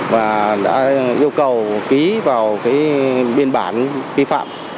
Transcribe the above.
và đã yêu cầu ký vào biên bản vi phạm